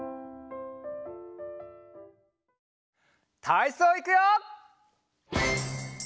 たいそういくよ！